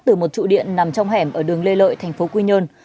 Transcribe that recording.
từ một trụ điện nằm trong hẻm ở đường lê lợi thành phố quy nhơn